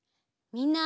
みんな。